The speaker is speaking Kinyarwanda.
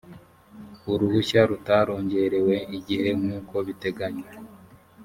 uruhushya rutarongerewe igihe nk uko biteganywa